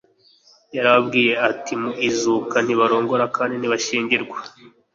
Yarababwiye ati: «mu izuka ntibarongora kandi ntibashyingirwa,